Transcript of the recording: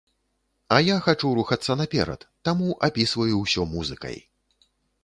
А я хачу рухацца наперад, таму апісваю ўсё музыкай!